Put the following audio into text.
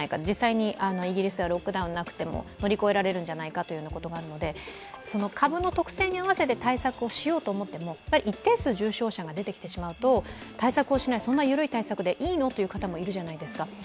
実際にイギリスではロックダウンなくても乗り越えられるんじゃないかというところがあるので株の特性に合わせて対策をしようと思っても、一定数重症者が出てきてしまうと対策をしない、そんな緩い対策でいいのという人もいるじゃないですか。